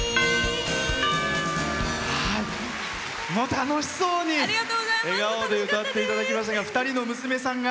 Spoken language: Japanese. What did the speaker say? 楽しそうに笑顔で歌っていただきましたが２人の娘さんが？